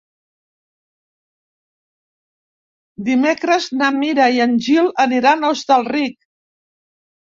Dimecres na Mira i en Gil aniran a Hostalric.